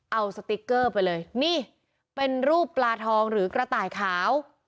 เอาสติ๊กเกอร์ไปเลยนี่เป็นรูปปลาทองหรือกระต่ายขาว